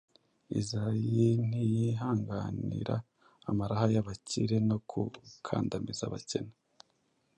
Izayi ntiyihanganira amaraha y‟abakire no gukandamiza abakene.